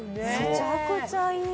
めちゃくちゃいい！